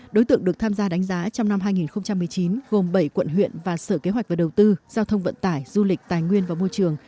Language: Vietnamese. đối tượng được tham gia đánh giá trong năm hai nghìn một mươi chín gồm bảy quận huyện và sở kế hoạch và đầu tư giao thông vận tải du lịch tài nguyên và môi trường